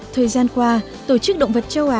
thời gian qua tổ chức động vật châu á